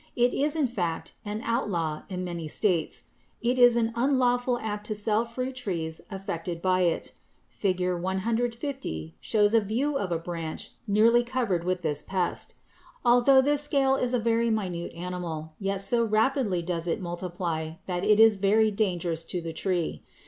It is in fact an outlaw in many states. It is an unlawful act to sell fruit trees affected by it. Fig. 150 shows a view of a branch nearly covered with this pest. Although this scale is a very minute animal, yet so rapidly does it multiply that it is very dangerous to the tree.